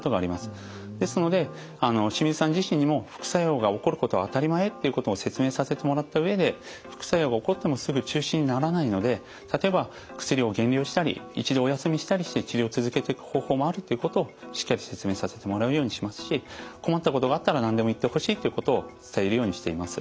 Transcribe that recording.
ですので清水さん自身にも副作用が起こることは当たり前っていうことを説明させてもらった上で副作用が起こってもすぐ中止にならないので例えば薬を減量したり一度お休みしたりして治療を続けていく方法もあるということをしっかり説明させてもらうようにしますし困ったことがあったら何でも言ってほしいということを伝えるようにしています。